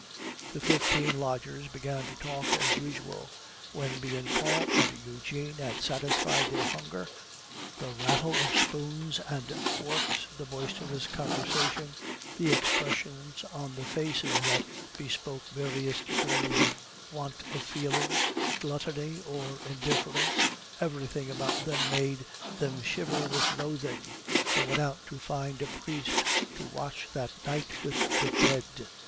The fifteen lodgers began to talk as usual. When Bianchon and Eugene had satisfied their hunger, the rattle of spoons and forks, the boisterous conversation, the expressions on the faces that bespoke various degrees of want of feeling, gluttony, or indifference, everything about them made them shiver with loathing. They went out to find a priest to watch that night with the dead.